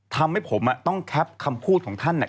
ทำให้ผมต้องแคปคำพูดของท่าน